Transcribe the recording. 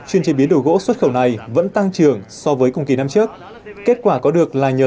chuyên chế biến đồ gỗ xuất khẩu này vẫn tăng trưởng so với cùng kỳ năm trước kết quả có được là nhờ